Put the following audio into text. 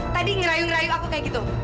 tadi ngerayu ngerayu aku kayak gitu